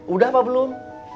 udah apa belum